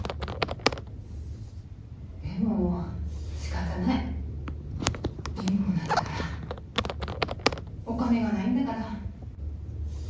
でも仕方ない貧乏なんだからお金がないんだから。